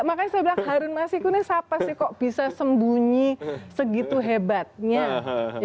makanya saya bilang harun masiku ini siapa sih kok bisa sembunyi segitu hebatnya